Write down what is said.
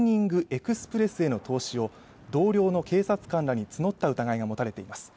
エクスプレスへの投資を同僚の警察官らに募った疑いが持たれています